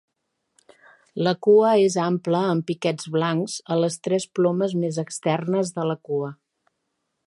La cua és ampla amb piquets blancs a les tres plomes més externes de la cua.